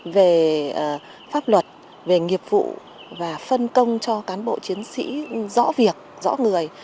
về pháp luật về nghiệp vụ và phân công cho cán bộ chiến sĩ rõ việc rõ người